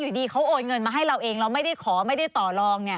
ดีเขาโอนเงินมาให้เราเองเราไม่ได้ขอไม่ได้ต่อลอง